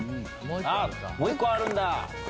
もう１個あるんだ。